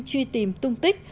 truy tìm tung tích